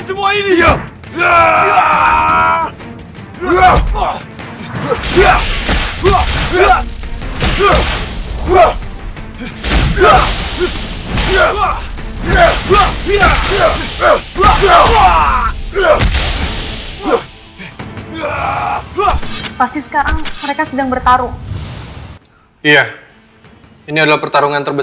sampai jumpa di video selanjutnya